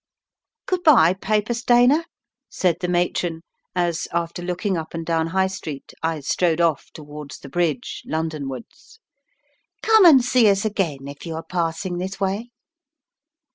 "Good bye, paper stainer," said the matron, as, after looking up and down High Street, I strode off towards the bridge, Londonwards. "Come and see us again if you are passing this way."